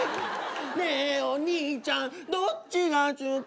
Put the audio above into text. ねえお兄ちゃんどっちがちゅき？